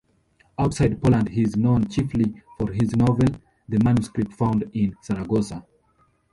Outside Poland he is known chiefly for his novel, "The Manuscript Found in Saragossa".